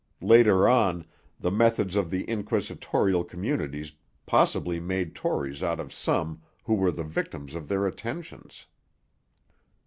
Later on, the methods of the inquisitorial communities possibly made Tories out of some who were the victims of their attentions.